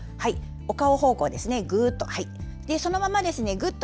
お顔方向ですね、ぐっと。